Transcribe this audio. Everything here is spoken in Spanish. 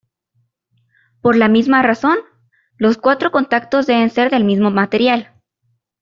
Por la misma razón, los cuatro contactos deben ser del mismo material.